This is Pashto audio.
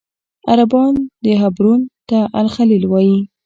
عربان حبرون ته الخلیل وایي.